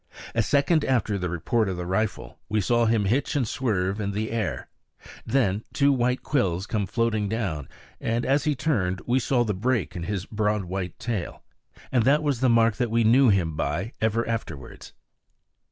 A second after the report of the rifle, we saw him hitch and swerve in the air; then two white quills came floating down, and as he turned we saw the break in his broad white tail. And that was the mark that we knew him by ever afterwards.